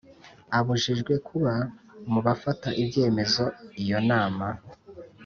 Abujijwe kuba mu bafata ibyemezo iyo inama